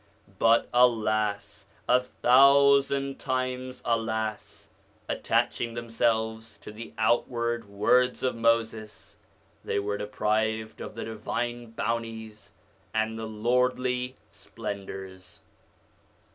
But, alas ! a thousand times alas ! attach ing themselves to the outward words of Moses, they were deprived of the divine bounties and the lordly splendours